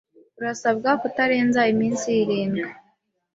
Usabwa kutarenza iminsi irindwi